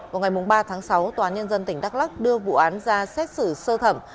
vào ngày ba tháng sáu tòa nhân dân tỉnh đắk lắc đưa vụ án ra xét xử sơ thẩm